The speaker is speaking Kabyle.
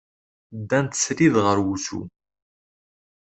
Ddant srid ɣer wusu.